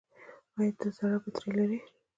ایا د زړه بطرۍ لرئ؟